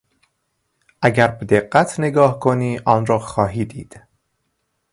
اگر به دقت نگاه کنی آنرا خواهی دید.